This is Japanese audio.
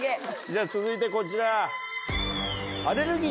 じゃ続いてこちら。